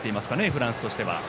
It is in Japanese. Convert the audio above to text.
フランスとしては。